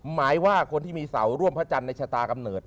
หมายว่าคนที่มีเสาร่วมพระจันทร์ในชะตากำเนิด